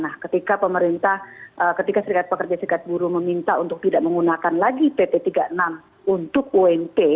nah ketika pemerintah ketika serikat pekerja serikat buruh meminta untuk tidak menggunakan lagi pt tiga puluh enam untuk unt